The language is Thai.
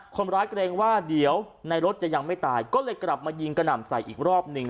เกรงว่าเดี๋ยวในรถจะยังไม่ตายก็เลยกลับมายิงกระหน่ำใส่อีกรอบหนึ่ง